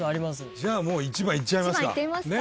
じゃあもう１番いっちゃいますか。